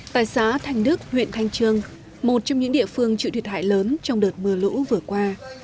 tại xã thanh đức huyện thanh trương một trong những địa phương chịu thiệt hại lớn trong đợt mưa lũ vừa qua